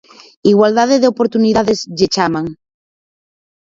Igualdade de oportunidades lle chaman.